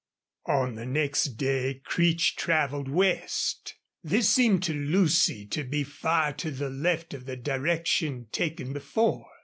On the next day Creech traveled west. This seemed to Lucy to be far to the left of the direction taken before.